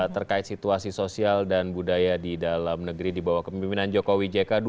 terkait situasi sosial dan budaya di dalam negeri di bawah pembimbingan joko widjeka